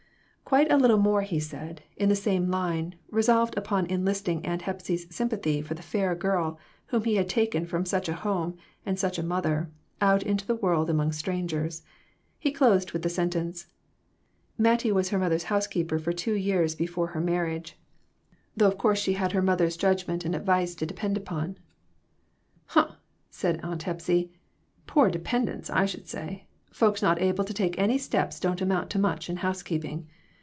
Quite a little more he said, in the same line, resolved upon enlisting Aunt Hepsy's sympathy for the fair girl whom he had taken from such a home and such a mother, out into the world among strangers. He closed with the sentence " Mattie was her mother's housekeeper for two years before her marriage ; though of course she MORAL EVOLUTION. 139 had her mother's judgment and advice to depend upon." "Humph!" said Aunt Hepsy; "poor depend ence, I should say ; folks not able to take any steps don't amount to much in housekeeping.